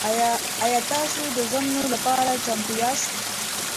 ایا تاسو د ژمنو لپاره چمتو یاست؟